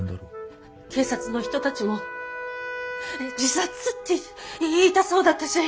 警察の人たちも自殺って言いたそうだったし。